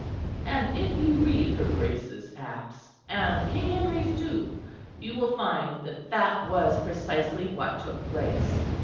And if you read her Grace's Acts, and King Henry's too, you will find that that was precisely what took place.